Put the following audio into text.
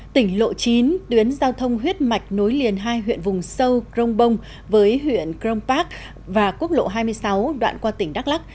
tỉnh lộ chín tuyến giao thông huyết mạch nối liền hai huyện vùng sâu cronbong với huyện cronpark và quốc lộ hai mươi sáu đoạn qua tỉnh đắk lắc